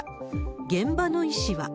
現場の医師は。